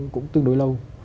cũng tương đối lâu